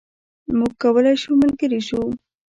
موږ کولای شو ملګري شو.